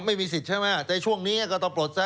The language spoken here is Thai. ไม่มีสิทธิ์ใช่ไหมแต่ช่วงนี้ก็ต้องปลดซะ